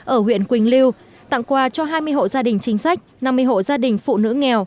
ở huyện quỳnh lưu tặng quà cho hai mươi hộ gia đình chính sách năm mươi hộ gia đình phụ nữ nghèo